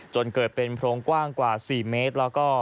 จนเกิดเป็นโพรงกว้างกว่า๔เมตร